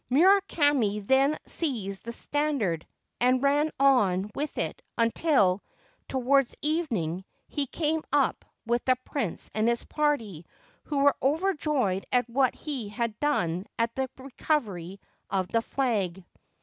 Murakami then seized the standard, and ran on with it until, towards evening, he came up with the Prince and his party, who were overjoyed at what he had done and at the recovery of the flag.